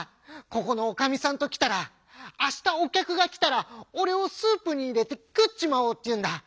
ここのおかみさんときたら明日お客が来たら俺をスープに入れて食っちまおうって言うんだ。